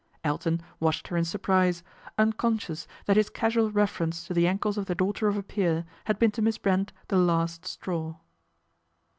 Elton watched her in surprise, unconscious that his casual reference to the ankles of the daughter of a peer had been to Miss Brent the last straw.